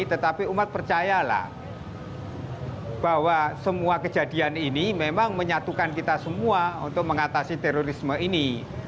tetapi umat percayalah bahwa semua kejadian ini memang menyatukan kita semua untuk mengatasi terorisme ini